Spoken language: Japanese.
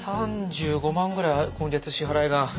３５万ぐらい今月支払いが。